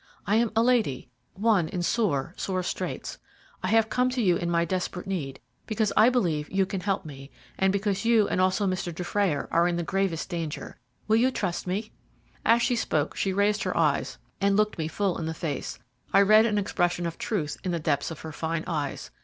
I am a lady one in sore, sore straits. I have come to you in my desperate need, because I believe you can help me, and because you and also Mr. Dufrayer are in the gravest danger. Will you trust me?" As she spoke she raised her eyes and looked me full in the face. I read an expression of truth in the depths of her fine eyes.